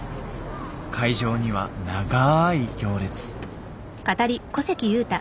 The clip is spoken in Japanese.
会場には長い行列。